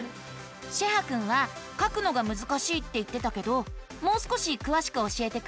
シェハくんは書くのがむずかしいって言ってたけどもう少しくわしく教えてくれる？